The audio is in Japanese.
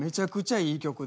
いい曲？